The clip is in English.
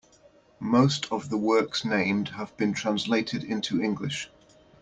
Most of the works named have been translated into English.